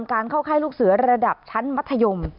การเข้าค่ายลูกเสือระดับชั้นมัธยม